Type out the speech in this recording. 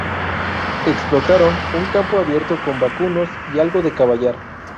Explotaron un campo abierto con vacunos y algo de caballar.